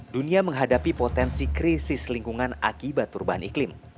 dunia menghadapi potensi krisis lingkungan akibat perubahan iklim